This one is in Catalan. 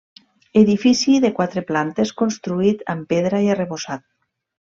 Edifici de quatre plantes, construït amb pedra i arrebossat.